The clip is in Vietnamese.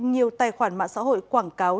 nhiều tài khoản mạng xã hội quảng cáo